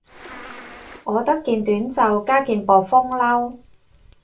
我得件短袖加件薄風褸